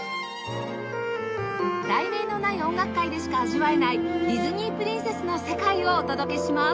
『題名のない音楽会』でしか味わえないディズニープリンセスの世界をお届けします